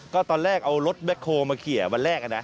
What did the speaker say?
ก็ตอนแรกมันอ